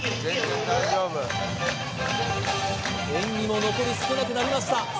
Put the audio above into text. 演技も残り少なくなりました